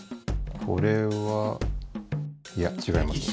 これはいやちがいますね。